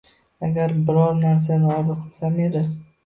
Agar biror narsani orzu qilsam edi.